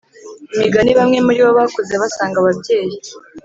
Imigani Bamwe muri bo bakuze basanga ababyeyi